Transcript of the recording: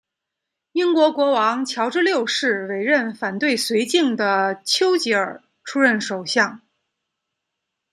英国国王乔治六世委任反对绥靖的邱吉尔出任首相。